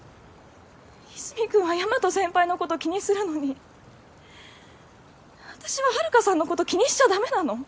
和泉君は大和先輩のこと気にするのに私は遥さんのこと気にしちゃダメなの？